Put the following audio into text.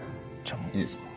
いいですか？